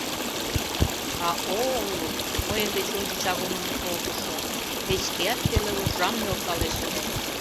А Оолу, мыйын деч ончыч агуным олтышо, печкеат пеле уржам нӧлталеш ыле.